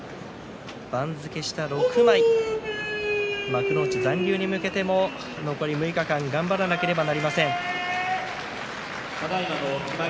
番付下６枚幕内残留に向けても残り６日間頑張らなければなりません。